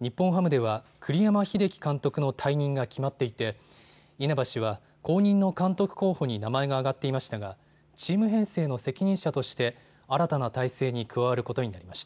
日本ハムでは栗山英樹監督の退任が決まっていて稲葉氏は後任の監督候補に名前が挙がっていましたがチーム編成の責任者として新たな体制に加わることになりました。